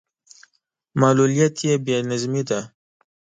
معلوليت يو بې نظمي ده.